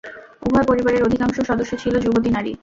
উভয় পরিবারের অধিকাংশ সদস্য ছিল যুবতী নারী।